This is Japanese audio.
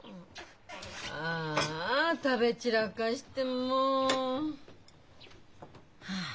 ああ食べ散らかしてもう。はあ。